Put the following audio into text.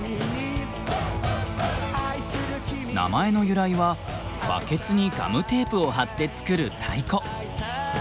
名前の由来はバケツにガムテープを貼って作る太鼓！